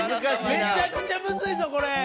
めちゃくちゃむずいぞこれ！